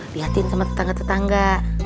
liatin sama tetangga tetangga